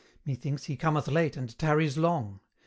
Methinks he cometh late and tarries long.